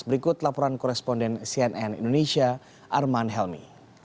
berikut laporan koresponden cnn indonesia arman helmi